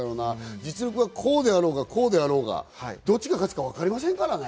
実力がこうであろうが、こうであろうが、どっちが勝つかわかりませんからね。